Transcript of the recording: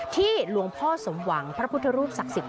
หลวงพ่อสมหวังพระพุทธรูปศักดิ์สิทธิ